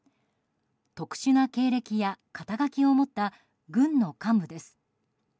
特殊な経歴や肩書を持った軍の幹部です。